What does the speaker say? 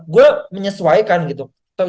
gue menyesuaikan gitu kan